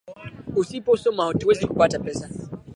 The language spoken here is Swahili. Usipo soma hatuwezi kupata pesa